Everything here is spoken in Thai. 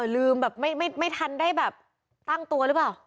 ลืมแบบไม่ทันได้แบบตั้งตัวหรือเปล่า